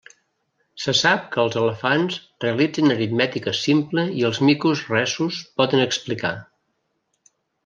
Se sap que els elefants realitzen aritmètica simple i els micos Rhesus poden explicar.